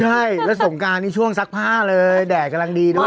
ใช่แล้วสงการนี่ช่วงซักผ้าเลยแดดกำลังดีด้วย